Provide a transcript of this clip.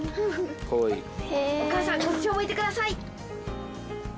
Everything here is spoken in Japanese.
お母さんこっちを向いてください。